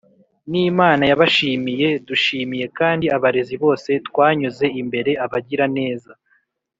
n’imana yabashimiye ! dushimiye kandi abarezi bose twanyuze imbere, abagiraneza